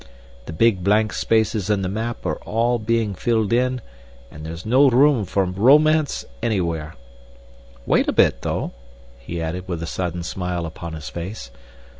The big blank spaces in the map are all being filled in, and there's no room for romance anywhere. Wait a bit, though!" he added, with a sudden smile upon his face.